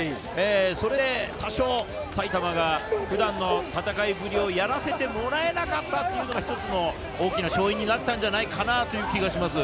それで多少、埼玉が普段の戦いぶりをやらせてもらえなかったというのが１つの大きな勝因になったんじゃないかなという気がします。